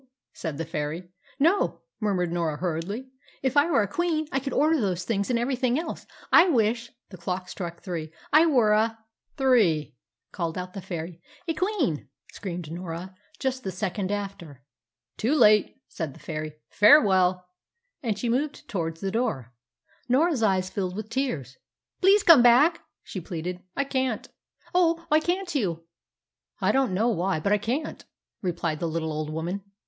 said the fairy. "No," murmured Norah hurriedly. "If I were a queen, I could order those things and everything else. I wish" the clock struck three "I were a " "Three!" called out the fairy. " a Queen!" screamed Norah, just the second after. "Too late!" said the fairy. "Farewell!" And she moved towards the door. Norah's eyes filled with tears. "Please come back!" she pleaded. "I can't." "Oh, why can't you?" "I don't know why, but I can't," replied the little old woman.